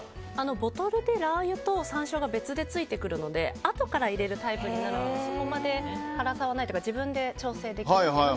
ボトルでラー油と山椒が別でついてくるのであとから入れるタイプになるのでそこまで辛さはないというか自分で調整できます。